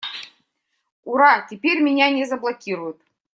Ура! Теперь меня не заблокируют!